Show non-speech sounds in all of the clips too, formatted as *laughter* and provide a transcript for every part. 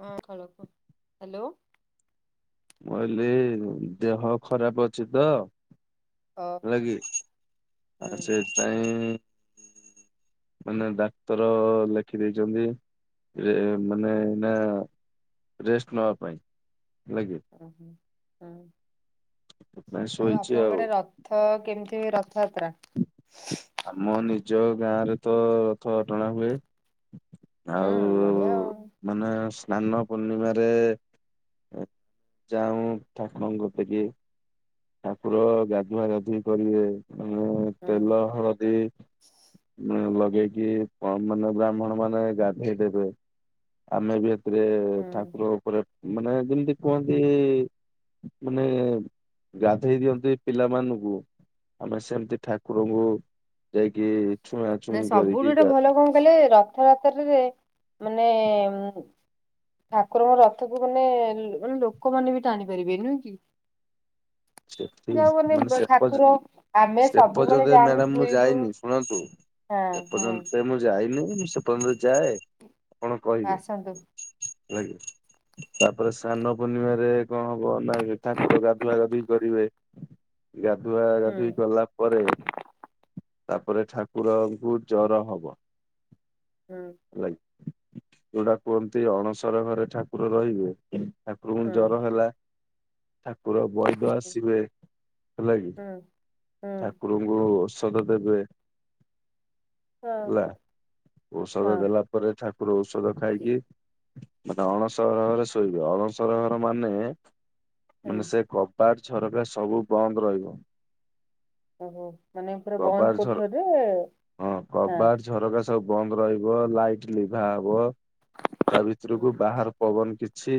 ନମସ୍କାର ହ୍ୟାଲୋ। କହିଲି ଦେହ ଖରାପ ଅଛି ତ ଓହୋ ହେଲକି ଆ ହୁଁ ସେ ନାଇଁ ମାନେ ଡାକ୍ତର ଲେଖି ଦେଇଛନ୍ତି ମାନେ ହୁଁ ଏଇନା ରେଷ୍ଟ ନବା ପାଇଁ ହେଲାକି। ସେଥିପାଇଁ ଆଉ ଶୋଇଛି ଆପଣଙ୍କ ଆଉ। ଆଡେ ରଥ? ରଥ କେମିତି ରଥଯାତ୍ରା? ଆମ ନିଜ ଗାଁରେ ତ ରଥ ଟଣା ହୁଏ। ଆଉ ହୁଁ ବଢିଆ ଆଉ ମାନେ ସ୍ନାନ ପୂର୍ଣ୍ଣିମାରେ ଯାଉଁ ଠାକୁରଙ୍କ କତିକି ଠାକୁର ଗାଧୁଆ ଗାଧୁଇ କରିବେ। ମୁଁ ହୁଁ ତେଲ ହଳଦୀ ଲଗେଇକି କଣ କି ମାନେ ବ୍ରାହ୍ମଣ ମାନେ ଗାଧେଇ ଦେବେ। ଆମେ ବି ଏଥିରେ ହୁଁ। ଠାକୁର ଉପରେ ମାନେ ଯେମିତି କୁହନ୍ତି ମାନେ ଗାଧେଇ ଦିଅନ୍ତି ପିଲାମାନଙ୍କୁ ଆମେ ସେମିତି ଠାକୁରଙ୍କୁ ଯାଇ କି ନା ସବୁଠୁ ଗୋଟେ ଭଲ କଣ କଲେ ରଥଯାତ୍ରାରେ ମାନେ ଠାକୁରଙ୍କ ରଥକୁ ମାନେ ମାନେ ଲୋକମାନେ ବି ଟାଣି ପାରିବେ ନୁହେଁ କି? ସେଠି *unintelligible* ଯାଉ ମାନେ ସେ ପର୍ଯ୍ୟ ଠାକୁର ଆମେ ସେ ସବୁବେଳେ ପର୍ଯ୍ୟନ୍ତ ଯାଆନ୍ତି ମ୍ୟାଡାମ ମୁଁ ପୁରୀକୁ। ଯାଇନି ଶୁଣନ୍ତୁ ହଁ ହଁ ସେପର୍ଯ୍ୟନ୍ତ ମୁଁ ଯାଇନି ମୁଁ ସେପର୍ଯ୍ୟନ୍ତ ଯାଏ। କଣ କହିବି ଆସନ୍ତୁ ତାପରେ ସାନ୍ନ ପୂର୍ଣ୍ଣିମାରେ କଣ ହବ ନା ଠାକୁର ଗାଧୁଆ ଗାଧୁଇ କରିବେ ଗାଧୁଆ ହୁଁ। ଗାଧୁଇ କଲା ପରେ ତାପରେ ଠାକୁରଙ୍କୁ ଜର ହବ। ହଁ। ହେଲାକି ଯୋଉଟା କୁହନ୍ତି ଅଣସର ଘରେ ଠାକୁର ରହିବେ ଠାକୁରଙ୍କୁ ହୁଁ ଜର ହେଲା ଠାକୁର ବୈଦାସ ହୁଏ ହେଲାକି ହୁଁ ହୁଁ ଠାକୁରଙ୍କୁ ଔଷଧ ଦେବେ। ହଁ ହେଲା ହଁ ଔଷଧ ଦେଲା ପରେ ଠାକୁର ଔଷଧ ଖାଇକି ମାନେ ଅଣସର ଘରେ ଶୋଇବେ ଅଣସର ଘର ମାନେ ହୁଁ। ମାନେ ସେ କବାଟ ଝରକା ସବୁ ବନ୍ଦ ରହିବ। ଓହୋ ମାନେ ପୁରା ବନ୍ଦ କବାଟ ଝର କୋଠିରିରେ ହଁ। ଝରକା ସବୁ ବନ୍ଦ ରହିବ ଲାଇଟ୍ ଲିଭା ହବ ହୁଁ। ତାଭିତରକୁ ବାହାର ପବନ କିଛି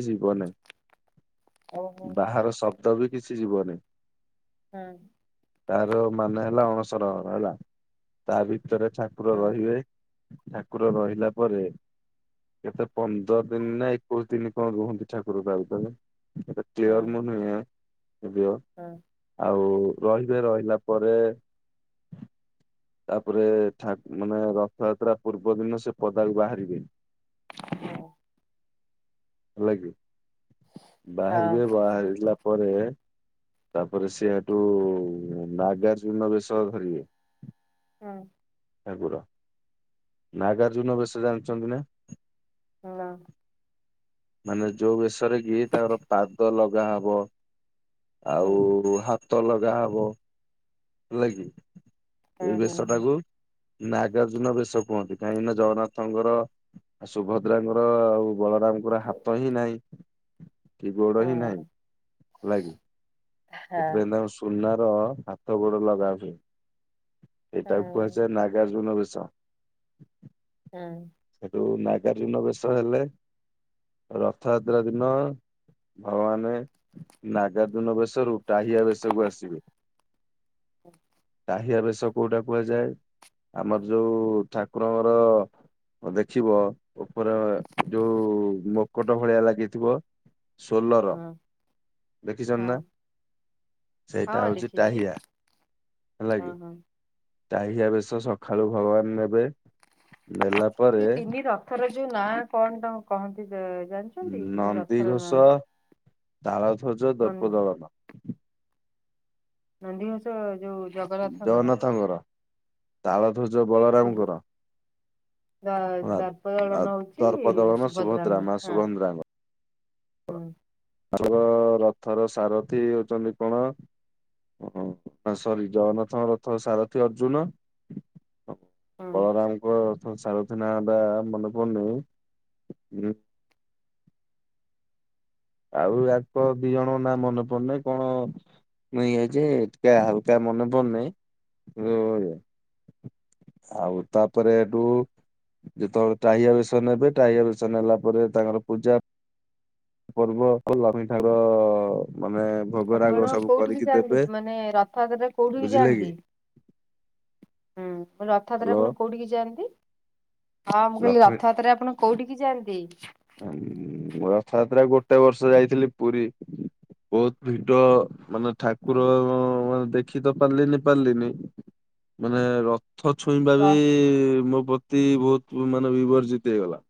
ଓହୋ ଯିବନାହିଁ ବାହାର ଶବ୍ଦବି କିଛି ଯିବନି। ହୁଁ। ତାର ମାନେ ହେଲା ଅଣସରହର ହେଲା ତା ଭିତରେ ଠାକୁ ଠାକୁର ହଁ ରହିବେ ଠାକୁର ରହିଲା ପରେ କେତେ ପନ୍ଦର ଦିନିନା ଏକୋଇଶି ଦିନ୍ କଣ ରୁହନ୍ତି ଠାକୁର ତା ଭିତରେ ସେ ହଁ କ୍ଲିୟର ମନେନାହିଁ ଏବେଓ ହଁ। ଆଉ ରହିବେ ରହିଲା ପରେ *inaudible* ତାପରେ ମାନେ ରଥଯାତ୍ରା ପୂର୍ବ ଦିନ ସେ ପଦାକୁ ବାହାରିବେ। ହେଲାକିି ହଁ ବାହାରିବେ ବାହାରିଲା ପରେ ତାପରେ ସିଏ ଏଠୁ ନାଗାର୍ଜୁନ ବେଶ ଧରିବେ। ହଁ। ଠାକୁର ନାଗାର୍ଜୁନ ବେଶ ଜାଣିଚନ୍ତି ନା? ହାଲୋ। ମାନେ ଯୋଉ ବେଶରେକି ତାଙ୍କର ପାଦ ଲଗା ହବ ହୁଁ ଆଉ ହାତ ଲଗାହବ ହେଲାକି ହୁଁ ସେଏ ହୁଁ ହୁଁ ବେଶଟାକୁ ନାଗାର୍ଜୁନ ବେଶ କୁହନ୍ତି କାହିଁକିନା ଜଗନ୍ନାଥଙ୍କର ସୁଭଦ୍ରାଙ୍କର ଆଉ ବଳରାମଙ୍କ ହାତହିଁ ନାହିଁ କି ଗୋଡ଼ହିଁ ନାହିଁ ହୁଁ ହେଲାକି। ହଁ ସେଥିପାଇଁ ତାଙ୍କ ସୁନାର ହାତ ଗୋଡ଼ ଲଗା ହୁଏ। ଏଟାକୁ ହୁଁ କୁହାଯାଏ ନାଗାର୍ଜୁନ ବେଶ। ହୁଁ। ହେଠୁ ନାଗାର୍ଜୁନ ବେଶ ହେଲେ ରଥଯାତ୍ରା ଦିନ ଭଗବାନ ଆଉ ଆମେ ନାଗାର୍ଜୁନ ବେଶରୁ ଟାହିଆ ବେଶକୁ ଆସିବେ। *inaudible* ପାହିଆ ବେଶ କୋଉଟା କୁହାଯାଏ ଆମର ଯୋଉ ଠାକୁରଙ୍କର ଦେଖିବ ଉପରେ ଯୋଉ ମୁକଟ ଭଳିଆ ଲାଗିଥିବ ଷୋଲର ହଁ ହଁ ଦେଖିଛନ୍ତିନା? ସେଇଟା ହଁ ହଉଚି ଦେଖିଛି ଟାହିଆ ହଁ ହେଲାକିି। ହଁ। ଟାହିଆ ବେଶ ସକାଳୁ ଭଗବାନ ନେବେ ନେଲା ପରେ ଏ ତିନି ରଥର ଯୋଉ ନାଁ କଣତ କହନ୍ତି ଜ ଜାଣି ନନ୍ଦିଘୋଷ ଦାଳଧ୍ୱଜ ନନ୍ଦୀ ଦର୍ପଦଳନ। ନନ୍ଦୀଘୋଷ ଯୋଉ ଜଗନ୍ନାଥଙ୍କର ତାଳଧ୍ଵଜ ବଳରାମଙ୍କର ଦର୍ପଦଳନ ହଉଛି ଦର୍ପଦଳନ ସୁଭଦ୍ରାଙ୍କ ସୁଭଦ୍ରା ମା ହଁ ସୁଭଦ୍ରାଙ୍ଗ ହୁଁ ଆର ରଥର ସାରଥି ହଉଛନ୍ତି କଣ? ଓ ସରି ଜଗନ୍ନାଥଙ୍କ ରଥର ସାରଥିୀ ଅର୍ଜୁନ। ହୁଁ। ବଳରାମଙ୍କ ରଥର ସାରଥି ନା ଟା ମନେ ପଡୁନି? ଆଉ ଆକ ଦି ଜଣ ନା ମନେ ପଡୁନି କଣ? ମୁ ଇଏ ଯେ ଏ ହାଲକା ମନେପଡୁ ନାହିଁ। ଆଉ ତାପରେ ଏଠୁ ଯେତେବେଳେ ଟାହିଆ ବେଶ ନେବେ ଟାହିଆ ବେଶ ନେଲା ପରେ ତାଙ୍କର ପୂଜା ପର୍ବ କଲମୀ ଠାର ମାନେ ଭୋଗ ରାଗ ଆପଣ ସବୁ କୋଉଠିକି କରିକି ଯାଆନ୍ତି ଦେବେ ମାନେ ରଥଯାତ୍ରାରେ କୋଉଠିକି ବୁଝିଲେ ଯାଆନ୍ତି? କି? ହୁଁ ରଥଯାତ୍ରା ହ୍ୟାଲୋ ଆପଣ କୋଉଠିକି ଯାଆନ୍ତି? ହଁ ମୁଁ କହିଲି ଲକ୍ଷ୍ମୀ ରଥଯାତ୍ରାରେ ଆପଣ କୋଉଠିିକି ଯାଆନ୍ତି? ହ ମୁଁ ରଥଯାତ୍ରାକୁ ଗୋଟେ ବର୍ଷ ଯାଇଥିଲି ପୁରୀ। ବହୁତ ଭିଡ ମାନେ ଠାକୁର ଓହୋ ମାନେ ଦେଖି ତ ପାରିଲିନି ପାରିଲିନି ମାନେ ର ରଥ ଛୁଇଁବା ବି ରଥ୍ ମୋ ପ ତି ବହୁତ ମାନେ ବିବର୍ଜିତ ହେଇଗଲା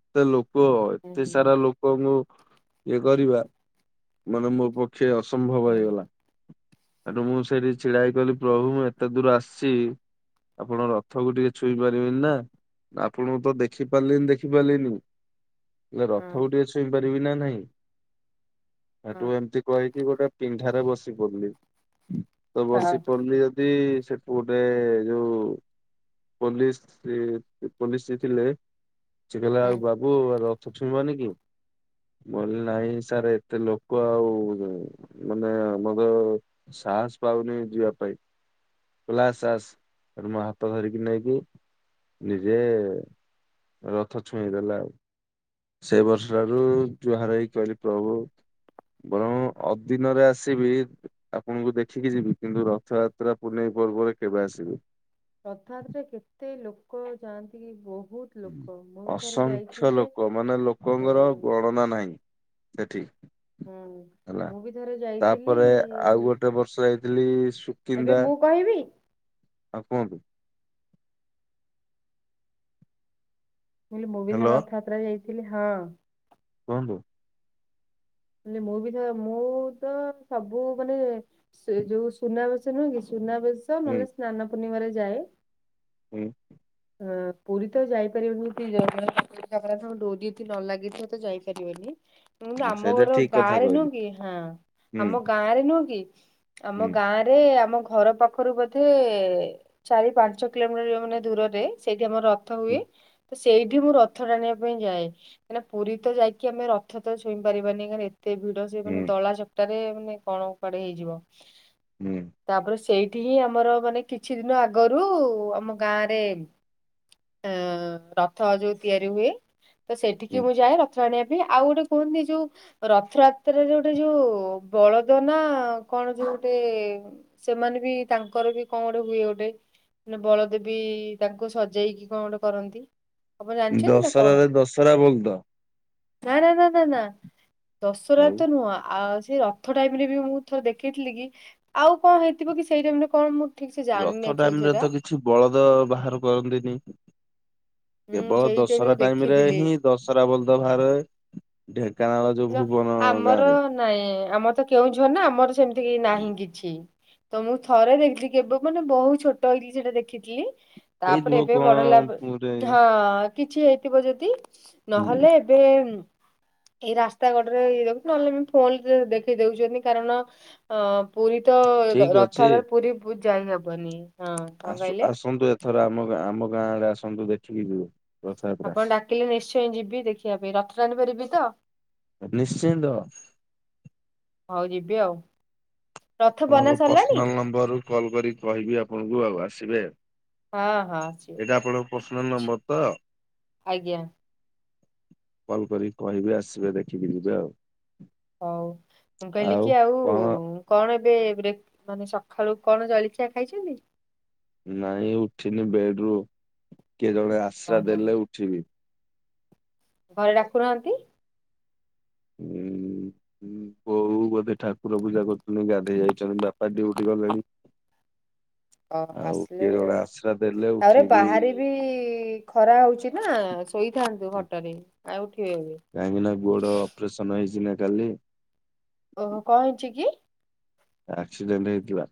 ଏତେ ଲୋକ ହୁଁ ଏତେ ସାରା ହୁଁ ଲୋକ। ଲୋକଙ୍କୁ ଇଏ କରିବା ମାନେ ମୋ ପକ୍ଷେ ଅସମ୍ଭବ ହୁଁ ହେଇଗଲା। ଆ ମୁଁ ସେଇଠି ଛିଡା ହେଇକହିଲି ପ୍ରଭୁ ମୁଁ ଏତେ ଦୂର ଆସିଛି। ଆପଣଙ୍କ ରଥକୁ ଟିକେ ଛୁଇଁ ପାରିବେନି ନା ଆପଣଙ୍କୁ ତ ଦେଖି ପାରିଲେନି ଦେଖିପାରିଲିନି। ହେଲେ ହୁଁ ହୁଁ ରଥକୁ ଟିକେ ଛୁଇଁ ପାରିବି ନା ନାହିଁ ହୁଁ ଏଠୁ ଏମିତି କହିକି ଗୋଟେ ବସି ପଡିଲି ତ ହଁ ବସି ପଡିଲି ଯି ଯେମିିତୀ ସେଠୁ ଗୋଟେ ଯୋଉ ପୋଲିସ ପୋଲିସ ଥିଲେ ସେ କହିଲା ଆଉ ହୁଁ। ବା ବୁ ରଥ ଛୁଇଁବନି କି? ମୁଁ କହିଲି ନାହିଁ ସାର୍ ଏତେ ଲୋକ ଆଉ ମାନେ ଆମର ସାହସ ପାଉନି ଯିବା ପାଇଁ। କହିଲା ଆସ ଆସ ସେଠୁ ମୋ ହାତ ଧରିକି ନେଇକି ନିଜେ ରଥ ଛୁଆଇଁଦେଲା ଆଉ ସେଇ ବର୍ଷ ଠାରୁ ଯୁହାର ହେଇ କହିଲି ପ୍ରଭୁ ବରଂ ଅଦିନରେ ଆସିବି ଆପଣଙ୍କୁ ଦେଖିକି ଯିବି କିନ୍ତୁ ରଥଯାତ୍ରା ପୁନେଇ ପର୍ବରେ କେବେ ଆସିବିନି। ରଥଯାତ୍ରାରେ କେତେ ଲୋକ ଯାଆନ୍ତି ବହୁତ ଲୋକ ମୁଁ ବି ଥରେ ଯାଇଥିଲି ଅସଂଖ୍ୟ ଯେ ଲୋକ ମାନେ ହଁ ଲୋକଙ୍କର ଗଣନା ନାହିଁ। ସେଠି। ହୁଁ। ହେଲା ତାପରେ ଆଉ ଗୋଟେ ବର୍ଷ ଯାଇଥିଲି ଏବେ ସୁକିନ୍ଦା। ମୁଁ କହିବି ମୁଁ ହଉ କୁହନ୍ତୁ? କୁହିଲି ମୁଁ ବି ଥରେ ହ୍ୟାଲୋ ରଥଯାତ୍ରା ଯାଇଥିଲି ହଁ। କୁହନ୍ତୁ? ମୁଁ ବି ତ ମୁଁ ତ ସବୁ ମାନେ ସେ ଯୋଉ ସୁନାବେଶ ନୁହେଁ କି ସୁନାବେଶ ହୁଁ ନହେଲେ ସ୍ନାନ ପୂର୍ଣିମାରେ ଯାଏ। ହୁଁ। ଅ ପୁରୀ ତ ଯାଇପାରିବନି ଏ ଜଗା ଡୋରିି ନ ଲାଗିଥିବ ତ ଯାଇପାରିବେନି। ଉଁ ସେଇଟା ଆମଘର ଠିକ କଥା ଗାଁରେ ନୁହଁ କହିଲୁ କି ହଁ ହୁଁ ଆମ ଗାଁରେ ନୁହଁ କି ଆମ ହୁଁ। ଗାଁରେ ଆରେ ଆମ ଘର ପାଖରୁ ବୋଧେ ଚାରି ପାଞ୍ଚ କିଲୋମିଟର ମାନେ ଦୂରରେ ସେଇଠି ଆମର ରଥ ହୁଏ ହୁଁ ତ ସେଇଠି ମୁଁ ରଥ ଟାଣିବା ପାଇଁ ଯାଏ। କାଇକିନା ପୁରୀ ତ ଯାଇକି ଆମେ ରଥ ତ ଛୁଇଁ ପାରିବାନି କାଇକିନା ଏତେ ଭିଡ। ଜେ ମାନେ ହୁଁ ଦଳା ଚକଟାରେ ମାନେ କଣ କୁଆଡେ ହେଇଯିବ ହୁଁ ତାପରେ ସେଇ ଏଠି ହିଁ ଆମର ମାନେ କିଛି ଦିନ ଆଗରୁ ଆମ ଗାଁ ରେ ଅ ରଥ ଯୋଉ ତିଆରି ହୁଏ ତ ସେଠିକି ହୁଁ। ମୁଁ ଯାଏ ରଥ ଥ ଟାଣିବା ପାଇଁ ଆଉ ଗୋଟେ କୁହନ୍ତି ଯୋଉ ରଥଯାତ୍ରାରେ ଗୋଟେ ଯୋଉ ବଳଦ ନା କଣ ଯୋଉ ଗୋଟେ ସେମାନେ ବି ତାଙ୍କର ବି କଣ ଗୋଟେ ହୁଏ ଗୋଟେ ମାନେ ବଳଦେବୀ ତାକୁ ସଜେଇକି କଣ ଗୋଟେ କରନ୍ତି। ଆପଣ ଜାଣିଛନ୍ତି ନା କଣ? ଦଶରାରେ ଦଶରା ବଳଦ। ନା ନା ନା ନା ନା ଦଶରା ଆଉ ତ ନୁହଁ ଆଉ ସେ ର ରଥ ଟାଇମ୍ ରେ ବି ମୁଁ ଥର ଦେଖିଥିଲି କି ଆଉ କଣ ହେଇଥିବ କି ସେଇ ଟାଇମ୍ ରେ କଣ ମୁଁ ଠିକ୍‌ ସେ ରଥ ଜାଣିନି ଟାଇମ ଆକ୍ଚୁଆଲି ରେ ସେଟା। ତ କିଛି ବଳଦ ବାହାର କରନ୍ତିନି ହୁଁ କେବଳ ସେଇ ଟାଇମ ଦଶରା ମୁଁ ଟାଇମ୍ ରେ ଦେଖିଥିଲି। ହିଁ ଦଶରା ବଳଦ ବାହାରେ ଢେଙ୍କାନାଳ ଯୋଉ ନା ଭୁବନ ଆମର ଗାଁରେ। ନାଇଁ ଆମର ତ କେଉଁଝର ନା ଆମର ସେମିତି ନାହିଁ କିଛି। ତ ମୁଁ ଥରେ ଦେଖିଲି କେବେ ମାନେ ବହୁତ ଛୋଟ ହେଇଥିଲି ସେଟା ଦେଖିଥିଲି। ହେଇଥିବ ତାପରେ ଏବେ କଣ ବଡ଼ ଗୋଟେ ହେଲାପରେ ହଁ। କିଛି ହେଇଥିବ ଯଦି ହୁଁ ନହେଲେ ଏବେ ଏଇ ରାସ୍ତା କଡରେ ଇ ଦେଖୁଛି ନହେଲେ ବି ଫୋନରେ ଦେଖେଇ ଦଉଛନ୍ତି କାରଣ ପୁରୀ ତ ଠିକ ଅଛି ରଥରେ ପୁରୀ ଯାଇହବନି। ଆସୁ ଆସନ୍ତୁ ଏଥର ଆମ ଆମ ଗାଁ ଆଡେ ଆସନ୍ତୁ ଦେଖିକି ଯିବେ। ରଥଯାତ୍ରା। ଆପଣ ଡାକିଲେ ନିଶ୍ଚୟ ଯିବି ଦେଖିବା ପାଇଁ ରଥଟାଣି ପାରିବି ତ? ନିଶ୍ଚିନ୍ତ। ହଉ ଯିବି ଆଉ ରଥ ଆପଣଙ୍କ ବନା ସରିଲାଣି? ପର୍ସନାଲ ନମ୍ବରରୁୁ କଲ୍ କରି କହିବି ଆପଣଙ୍କୁ ଆଉ ଆସିବେ। ହଁ ହଁ ସିଓର ଏଇଟା ଆପଣଙ୍କ ଠିକ ପର୍ସିନାଲ୍ ଅଛି। ନମ୍ବର ତ? ଆଜ୍ଞା କଲ୍ କରିକି କହିବି ଆସିବେ ଦେଖିକି ଯିବେ ଆଉ। ହଉ ମୁଁ କହିଲି କି ଆଉ କଣ ଏବେ ବ୍ରେକ ମାନେ ସକାଳୁ କଣ ଜଳଖିଆ ଖାଇଛନ୍ତି? ନାଇଁ ଉଠିନି ବେଡ୍‌ରୁୁ କିଏ ଜଣେ ଆଶ୍ରା ଓହୋ ଦେଲେ ଉଠିବି। ଘରେ ଡାକୁନାହାନ୍ତି। ହୁଁ ବୋଉ ବୋଧେ ଠାକୁର ପୂଜା କରୁଛନ୍ତି ଗାଧେଇ ଯାଇଛନ୍ତି ବାପ୍ ପା ଡ୍ୟୁଟି ଗଲେଣି। ହଁ ଆଉ ଆସିଲେ କିଏ ଜଣେ ଆଶ୍ରା ଦେଲେ ତାପରେ ଉଠିକି ବାହାରେ ବି ଖରା ହଉଛି ନା ଶୋଇଥାନ୍ତୁ ଖଟରେ ଆଉ ଉଠିବେନି। କାହିଁକି ନା ଗୋଡ଼ ଅପରେସନ ହେଇଛି ନା କାଲି। ଓହୋ କଣ ହେଇଚି କି? ଆକ୍ସିଡେଣ୍ଟ ହେଇଥିଲା।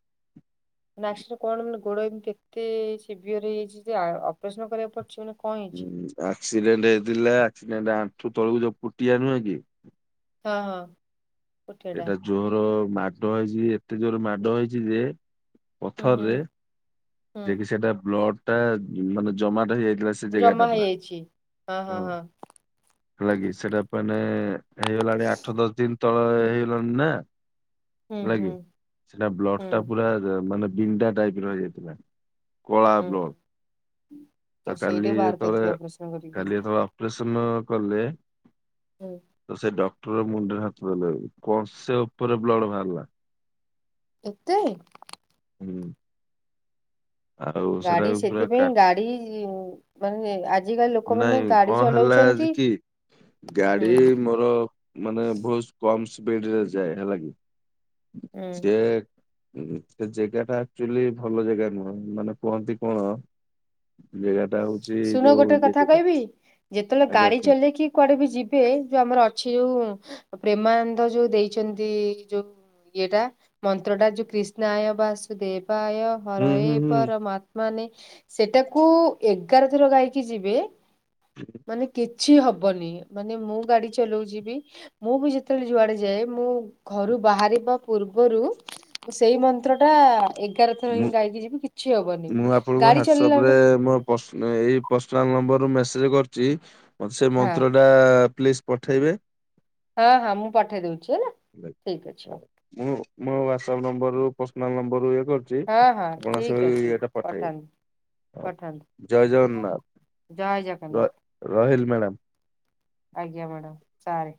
ନାକ୍ସରେ କଣ ମାନେ ଗୋଡ ଏମିତି ଏତେ ସିଭିୟର ହେଇଯାଇଛି ଯେ ଅପରେସନ କରିବାକୁ ପଡିଛି ମାନେ କଣ ହେଇଛି? ହଁ ଆକ୍ସିଡେଣ୍ଟ ହେଇଥିଲା ଆକ୍ସିଡେଣ୍ଟ ଆଣ୍ଠୁ ତଳକୁ ଯୋଉ ପୁଟିଆ ନୁହେଁ କି? ହଁ ହଁ। କୋଠିଆ ଟା ଏଇଟା ଜୋର ମାଡ ହେଇଛି ଏତେ ଜୋର ମାଡ ହେଇଛି ଯେ ହୁଁ ହୁଁ ପଥରରେ। ଯେ କି ହୁଁ ସେଟା ବ୍ଲଡ ଟା ମାନେ ଜମାଟା ହେଇଯାଇଥିଲା। ସେ ଜାଗା ଟା ଜମା ପୁରା। ହେଇଯାଇଛି ହଁ ହଁ ହଁ। ହେଲା କିି ସେଟା ମାନେ ହେଇଗଲାଣି ଆଠ ଦଶ ଦିନ ତଳେ ହେଇଗଲାଣି ନା। ହୁଁ ହେଲା ହୁଁ କି ସେଟା ବ୍ଲଡଟା ହୁଁ ପୁରା ମାନେ ବିଣ୍ଡା ଟାଇପର ହେଇଯାଇଥିଲା। କଳା ବ୍ଲକ ହୁଁ ଆଉ ସେଇଟା କୁ ବାହାର ଯେତେବେଳେ କରିିଥିବ ଅପରେସନ କାଲି କରିକି। ଯେତେବେଳେ ଅପରେସନ କଲେ ହୁଁ। ତ ସେ ଡକ୍ଟର ମୁଣ୍ଡରେ ହାତ ଦେଲେ କଂସେ ଉପରେ ବ୍ଲଡ ବାହାରିଲା। ଏତେ। ହୁଁ। ଆଉ ଗାଡି ସେଟାକୁ ପୁରା କା ସେଥିପାଇଁ ଗାଡି ମାନେ ଆ ନାଇଁ କଣ ହେଲା ଆଜି କି ହୁଁ ଗାଡି ମୋର ମାନେ ବୋହୁତ କମ ସ୍ପିଡରେ ଯାଏ ହେଲା କି ହୁଁ ସିଏ ହୁଁ ସେ ଜେଗାଟା ଆକଚ୍ୟୁଲି ଭଲ ଜାଗା ନୁହଁ ମାନେ କୁହନ୍ତି କଣ ଜେଗାଟା ହୋଉଚି ଶୁଣ ଯୋଉ ଗୋଟେ ଇଏ କଥା ଜାଗା। କହିବି ଯେତେବେଳେ ଆଜ୍ଞା ଗାଡି କୁହନ୍ତୁ। ଚଲେଇକି କୁଆଡେ ବି ଯିବେ ଯୋଉ ଆମର ଅଛି ଯୋଉ ପ୍ରେମାନନ୍ଦ ଯୋଉ ଦେଇଚନ୍ତି ଯୋଉ ଇଏଟା ମନ୍ତ୍ରଟା ଯୋଉ କ୍ରିଷ୍ଣାୟ ବାସୁଦେବାୟ ହର ହୁଁ ଏ ହୁଁ ହୁଁ ପରଆତ୍ମାନେ ସେଟାକୁ ଏଗାର ଥର ଗାଇକି ଯିବେ। ମାନେ କିଛି ହବନି ମାନେ ମୁଁ ଗାଡି ଚଲଉଚିବି ମୁଁ ବି ଯେତେବେଳେ ଯୁଆଡେ ଯାଏ। ମୁଁ ଘରୁ ବାହାରିବା ପୂର୍ବରୁ ସେଇ ମନ୍ତ୍ରଟା ଏଗାର ଥର ହିଁ ମୁଁ ଗାଇକି ଯିବି କିଛି ହବନି ଗାଡି ଚଲେଇଲା ବେଳେ ପ୍ରସ ନା ଏଇ ପ୍ରସନାଲ ନମ୍ବରୁ ମେସେଜ କରୁଚି। ମତେ ସେ ହଁ ମନ୍ତ୍ର ଟା ପ୍ଲିଜ ପଠେଇବେ। ହଁ ହଁ ମୁଁ ପଠେଇ ଦୋଉଚି ହେଲା ଠିକ୍ ଅଛି ହଁ, ହୋଉ। ମୁଁ ମୋ ହ୍ଵାଟ୍ସଆପ ନମ୍ବରରୁ ପର୍ସନାଲ ନମ୍ବରରୁ ଇଏ କରୁ ଚି ହଁ ହଁ ପଣସ ସେ ଠିକ ଅଛି ଇଏଟା ପଠେଇବେ। ପଠାନ୍ତୁ ହୋଉ ପଠାନ୍ତୁ ଜୟ ଜୟ ଜଗନ୍ନାଥ ଜଗନ୍ନାଥ ର-ରହିଲି ମ୍ୟାଡାମ୍। ଆଜ୍ଞା ମ୍ୟାଡାମ୍ ସାରେ।